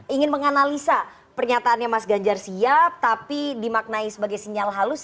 ingin menganalisa pernyataannya mas ganjar siap tapi dimaknai sebagai sinyal halus